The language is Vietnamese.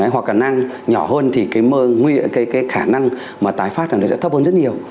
hoặc là nang nhỏ hơn thì cái khả năng mà tái phát sẽ thấp hơn rất nhiều